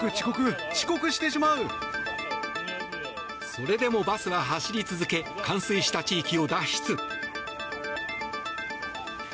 それでもバスは走り続け冠水した地域を脱出。